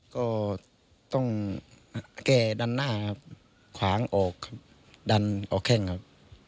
ก็ต้องแก้ดันหน้าครับขวางออกครับดันออกแข้งครับ